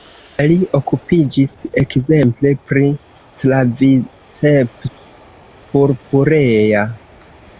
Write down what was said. Li okupiĝis ekzemple pri "Claviceps purpurea".